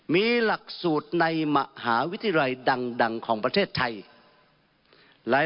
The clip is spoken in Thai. มีหลักสูตรในมหาวิทยาลัยดังของประเทศไทย